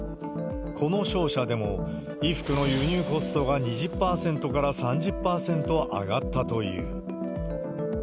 この商社でも、衣服の輸入コストが２０％から３０％上がったという。